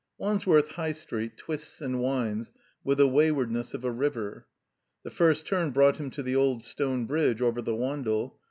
Wandsworth High Street twists and winds witl^ the waywardness of a river. The first turn brought him to the old stone bridge over the Wandle.